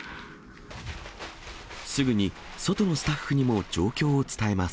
すぐに外のスタッフにも状況を伝えます。